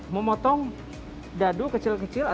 mau potong dadu kecil kecil atau semuanya